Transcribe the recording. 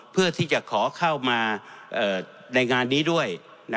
เพื่อที่จะขอเข้ามาในงานนี้ด้วย